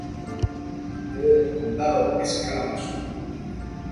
La sede del condado es Kalamazoo.